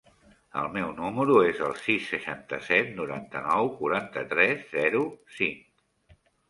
El meu número es el sis, seixanta-set, noranta-nou, quaranta-tres, zero, cinc.